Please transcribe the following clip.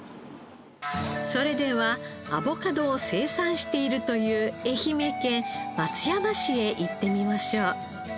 それではアボカドを生産しているという愛媛県松山市へ行ってみましょう。